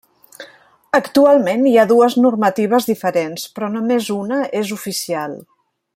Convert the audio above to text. Actualment hi ha dues normatives diferents, però només una és oficial.